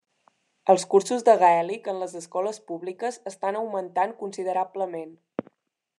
Els cursos de gaèlic en les escoles públiques estan augmentant considerablement.